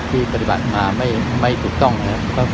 ปฏิบัติมาไม่ถูกต้องนะครับ